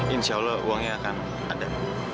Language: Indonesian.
insya allah uangnya akan ada